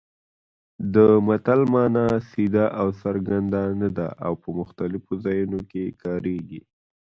د متل مانا سیده او څرګنده نه ده او په مختلفو ځایونو کې کارېږي